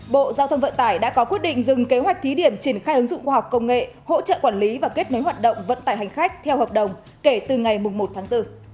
bộ giao thông vận tải đã có quyết định dừng kế hoạch thí điểm triển khai ứng dụng khoa học công nghệ hỗ trợ quản lý và kết nối hoạt động vận tải hành khách theo hợp đồng kể từ ngày một tháng bốn